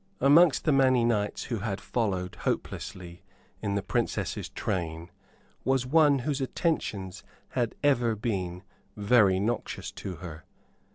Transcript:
Amongst the many knights who had followed, hopelessly, in the Princess's train was one whose attentions had ever been very noxious to her.